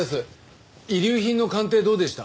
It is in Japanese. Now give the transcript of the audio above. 遺留品の鑑定どうでした？